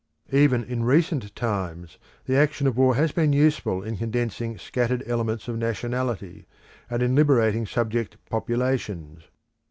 Even in recent times the action of war has been useful in condensing scattered elements of nationality, and in liberating subject populations.